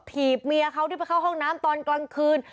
ถีบเมียเขาที่ไปเข้าห้องน้ำตอนกลางคืน